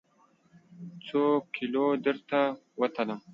څوکیلو درته وتلم؟